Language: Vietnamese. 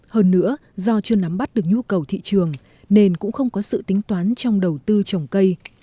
hơn nữa do chưa nắm bắt được nhu cầu thị trường nên cũng không có sự tính toán trong đầu tư trồng cây